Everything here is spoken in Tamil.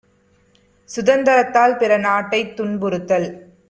சுதந்தரத்தால் பிறநாட்டைத் துன்பு றுத்தல்!